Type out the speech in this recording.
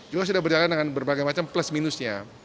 juga sudah berjalan dengan berbagai macam plus minusnya